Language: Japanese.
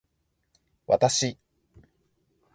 わたし